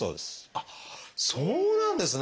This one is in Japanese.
あっそうなんですね！